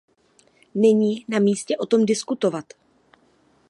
Není na místě o tom diskutovat.